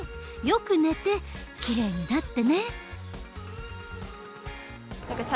よく寝てきれいになってね。